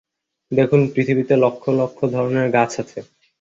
দেখুন, পৃথিবীতে লক্ষ লক্ষ ধরনের গাছ আছে।